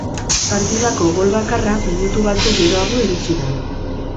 Partidako gol bakarra minutu batzuk geroago iritsi da.